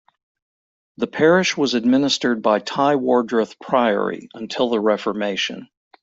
The parish was administered by Tywardreath Priory until the Reformation.